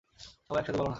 সবাই একসাথে বলো না।